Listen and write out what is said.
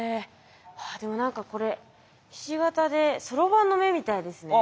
でも何かこれひし形でそろばんの目みたいですね。